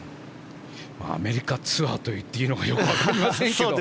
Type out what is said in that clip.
アメリカツアーと言っていいのかよくわかりませんけど。